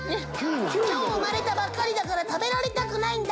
今日生まれたばっかりだから食べられたくないんだ。